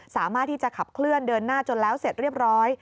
สามารถที่จะขับเคลื่อนเดินหน้าจนแล้วเสร็จเรียบร้อย